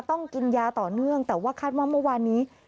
ต้องกินยาต่อเนื่องแต่ว่าคาดว่าเมื่อวานนี้